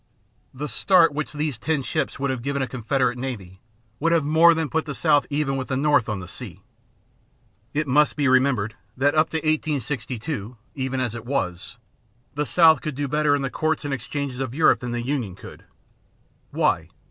The start which these ten ships would have given a Confederate navy would have more than put the South even with the North on the sea. It must be remembered that up to 1862, even as it was, the South could do better in the courts and exchanges of Europe than the Union could. Why?